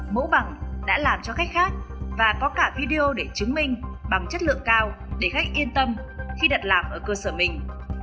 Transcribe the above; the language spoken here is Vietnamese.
mẫu bằng đã làm cho khách khác và có cả video để chứng minh bằng chất lượng cao để khách yên tâm khi đặt làm ở cơ sở mình